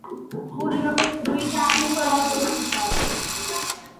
Furono costruite cinque moto "ufficiali".